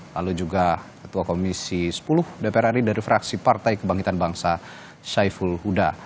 lalu juga ketua komisi sepuluh dpr ri dari fraksi partai kebangkitan bangsa syaiful huda